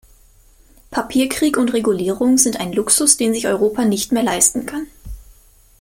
Papierkrieg und Regulierung sind ein Luxus, den sich Europa nicht mehr leisten kann.